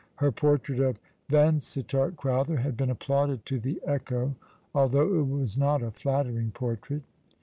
Her portrait of Vansittart Crowther had been applauded to the echo, although it was not a flattering portrait.